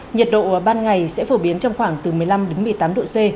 nhiệt độ ban ngày sẽ phổ biến trong khoảng từ một mươi năm đến một mươi tám độ c